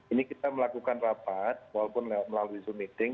ini kita melakukan rapat walaupun melalui zoom meeting